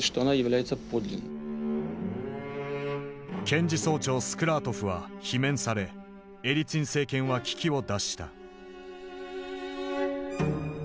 検事総長スクラートフは罷免されエリツィン政権は危機を脱した。